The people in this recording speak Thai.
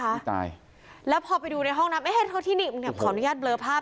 ผู้ตายแล้วพอไปดูในห้องน้ำเอ๊ะเท่าที่นี่ขออนุญาตเบลอภาพ